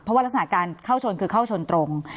เพราะว่ารักษณะการเข้าชนคือเข้าชนตรง